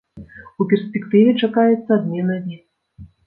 У перспектыве чакаецца адмена віз.